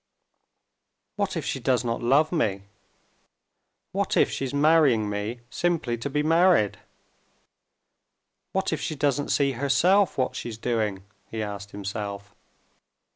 "What if she does not love me? What if she's marrying me simply to be married? What if she doesn't see herself what she's doing?" he asked himself.